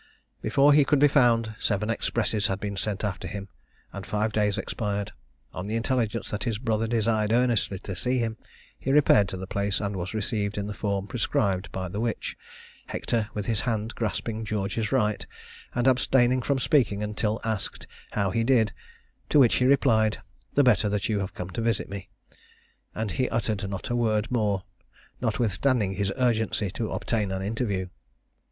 Before he could be found, seven expresses had been sent after him, and five days expired. On the intelligence that his brother desired earnestly to see him, he repaired to the place, and was received in the form prescribed by the witch, Hector with his hand grasping George's right, and abstaining from speaking until asked "how he did," to which he replied, "the better that you have come to visit me," and he uttered not a word more, notwithstanding his urgency to obtain an interview.